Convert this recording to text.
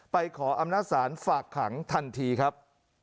ขออำนาจศาลฝากขังทันทีครับ